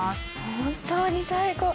本当に最高。